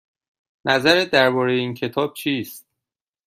نظرت درباره این کتاب چیست؟